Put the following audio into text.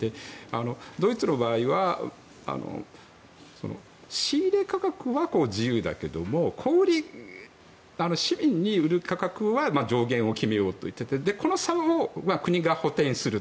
ドイツの場合は仕入れ価格は自由だけども小売り、市民に売る価格は上限を決めようというところでこの差は国が補填する。